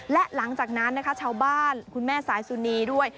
และหลังจากนั้นนะคะชาวบ้านคุณแม่สายสุนีด้วย